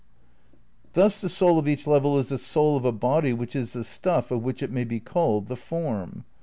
"Thus the soul of each level is the soul of a body which is the stuff of which it may be called the form."